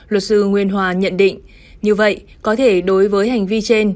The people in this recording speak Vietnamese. luật sư nguyên hòa nhận định như vậy có thể đối với hành vi trên